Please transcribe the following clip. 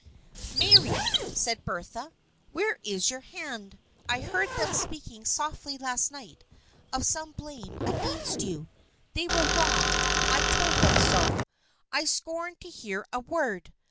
"Mary," said Bertha, "where is your hand? I heard them speaking softly last night of some blame against you. They were wrong. I told them so. I scorned to hear a word!